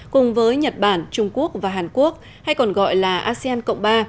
cùng với nhật bản trung quốc và hàn quốc hay còn gọi là asean cộng ba